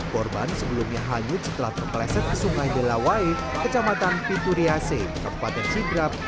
korban sebelumnya hanyut setelah terpeleset ke sungai delawai kecamatan pituriase kabupaten sidrap